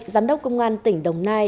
giám đốc công an tỉnh đồng nai